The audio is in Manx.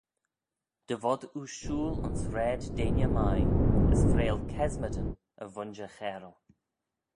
Dy vod oo shooyl ayns raad deiney mie, as freayll kesmadyn y vooinjer chairal.